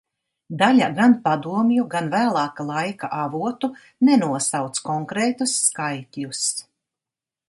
Daļa gan padomju, gan vēlāka laika avotu nenosauc konkrētus skaitļus.